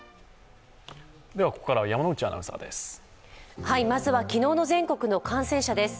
ここからは山内アナウンサーです。